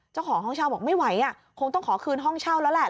เจ้าของห้องเช่าบอกไม่ไหวคงต้องขอคืนห้องเช่าแล้วแหละ